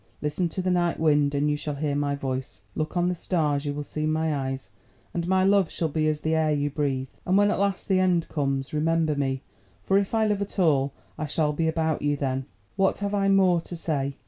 Listen to the night wind and you shall hear my voice; look on the stars, you will see my eyes; and my love shall be as the air you breathe. And when at last the end comes, remember me, for if I live at all I shall be about you then. What have I more to say?